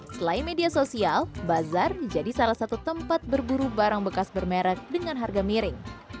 selain media sosial bazar menjadi salah satu tempat berburu barang bekas bermerek dengan harga miring